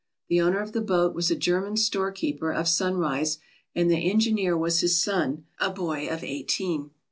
The owner of the boat was a German storekeeper of Sunrise, and the engineer was his son, a boy of eighteen.